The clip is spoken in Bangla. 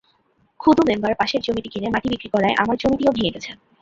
খুদু মেম্বার পাশের জমিটি কিনে মাটি বিক্রি করায় আমার জমিটিও ভেঙে গেছে।